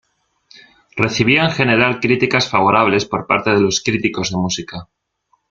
Recibió en general críticas favorables por parte de los críticos de música.